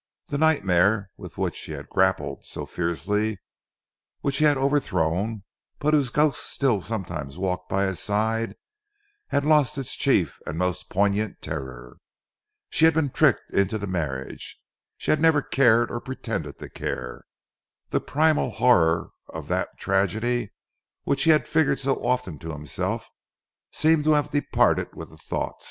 The nightmare with which he had grappled so fiercely, which he had overthrown, but whose ghost still sometimes walked by his side, had lost its chief and most poignant terror. She had been tricked into the marriage. She had never cared or pretended to care. The primal horror of that tragedy which he had figured so often to himself, seemed to have departed with the thought.